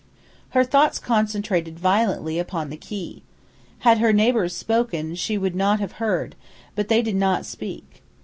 Her thoughts concentrated violently upon the key. Had her neighbours spoken she would not have heard; but they did not speak.